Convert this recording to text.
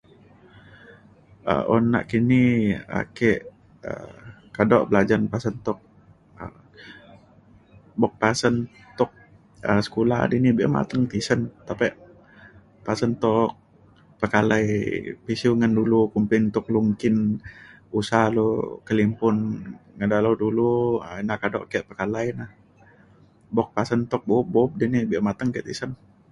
um un nakini ake um kado belajen pasen tuk um buk pasen tuk um sekula dini be’un mateng tisen tapek pasen tuk pekalai pisiu ngan dulu kumbin tuk lu nggin usaha lu kelimpun ngan dalau ilu um ina kado ke pekalai na buk pasen tuk bup bup dini be’un mateng ke tisen.